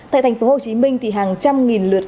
tại tp hcm thì hàng trăm nghìn lượt